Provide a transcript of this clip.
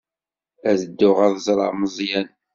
Ad dduɣ ad ẓreɣ Meẓyan.